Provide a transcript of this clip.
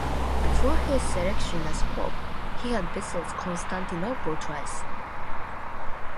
Before his selection as pope, he had visited Constantinople twice.